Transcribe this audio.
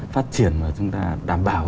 phát triển và chúng ta đảm bảo